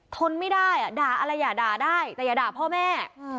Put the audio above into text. ทนไม่ได้ด่าอะไรอย่าด่าได้แต่อย่าด่าพ่อแม่